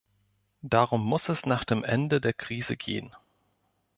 Darum muss es nach dem Ende der Krise gehen.